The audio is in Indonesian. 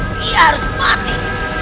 dia harus mati